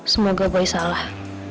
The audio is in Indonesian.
semoga gue salah